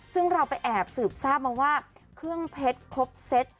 ซึ่งเราไปแอบสืบทราบมาว่าเครื่องเพชรครบเซต